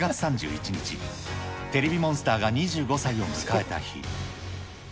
テレビモンスターが２５歳を迎えた日。